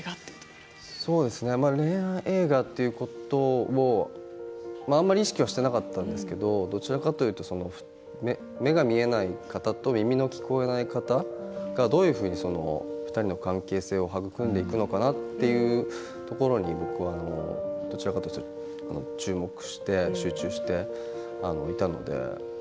恋愛映画ということもあんまり意識していなかったんですがどちらかというと目が見えない方と耳の聞こえない方がどういうふうに２人の関係性を育んでいくのかなというところに僕は、どちらかというと注目して集中していたので。